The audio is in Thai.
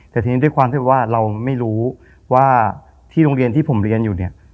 แต่ทีนี้ด้วยความที่ว่าเราไม่รู้ว่าที่โรงเรียนที่ผมเรียนอยู่เนี่ย